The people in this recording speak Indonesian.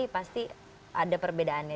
pasti ada perbedaannya